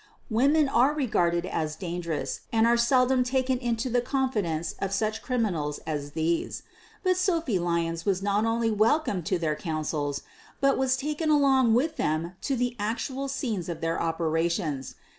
Women are regarded as dangerous and are sel dom taken into the confidence of such criminals as these. But Sophie Lyons was not only welcomed to their councils, but was taken along with them to the actual scenes of their operations.